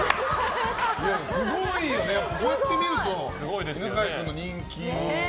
すごいよね、こうやってみると犬飼君の人気がね。